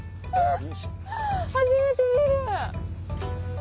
初めて見る！